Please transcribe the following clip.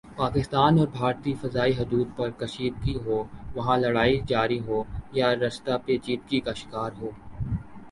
پاکستان اور بھارتی فضائی حدود پر کشیدگی ہو وہاں لڑائی جاری ہوں یا رشتہ پیچیدگی کا شکار ہوں